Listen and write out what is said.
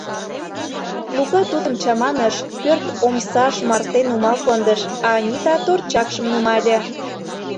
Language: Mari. Лука тудым чаманыш, пӧрт омсашт марте нумал кондыш, а Анита торчакшым нумале.